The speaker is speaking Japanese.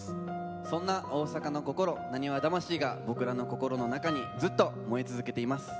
そんな大阪の心なにわ魂が、僕らの中にずっと燃え続けています。